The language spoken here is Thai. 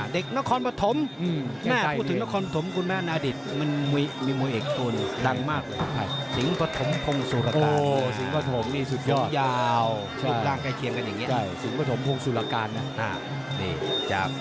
เด็กนครบะถมแม่พูดถึงนครบะถมคุณแม่นาดิษฐ์มันมีมวยเอกตัวนี้ดังมากเลยครับ